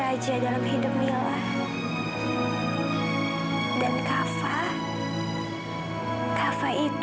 tapi saya yang nyetir dan saya yang menabrak orang itu